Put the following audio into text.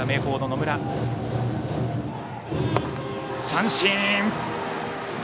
三振！